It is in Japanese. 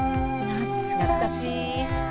懐かしい。